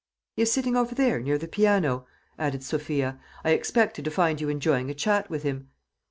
"He in sitting over there, near the piano," added Sophia; "I expected to find you enjoying a chat with him."